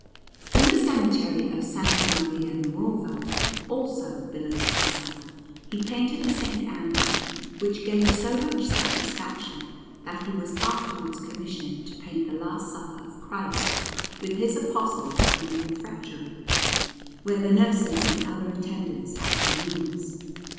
In the cemetery of S. Maria Nuova, also, below the Ossa, he painted a S. Andrew, which gave so much satisfaction that he was afterwards commissioned to paint the Last Supper of Christ with His Apostles in the refectory, where the nurses and other attendants have their meals.